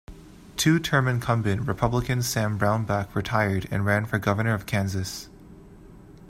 Two-term incumbent Republican Sam Brownback retired and ran for Governor of Kansas.